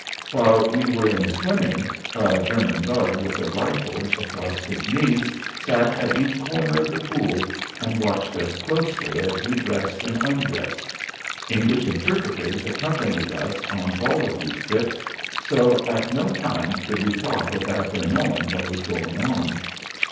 While we were in swimming a German guard with a rifle across his knees sat at each comer of the pool and watched us closely as we dressed and undressed. English interpreters accompanied us on all of these trips, so at no time could we talk without their knowing what was going on.